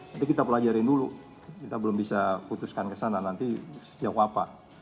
nanti kita pelajarin dulu kita belum bisa putuskan ke sana nanti jawab apa